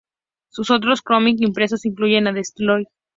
Sus otros cómics impresos incluyen a Destroy!!